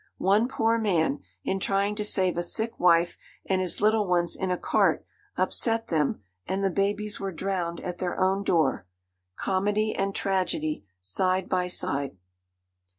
One poor man, in trying to save a sick wife and his little ones in a cart, upset them, and the babies were drowned at their own door. Comedy and tragedy side by side.